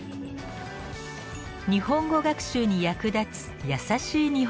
日本語学習に役立つ「やさしい日本語」。